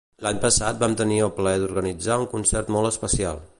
L'any passat vam tenir el plaer d'organitzar un concert molt especial.